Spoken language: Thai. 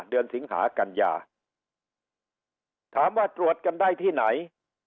สิงหากัญญาถามว่าตรวจกันได้ที่ไหน